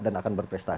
dan akan berprestasi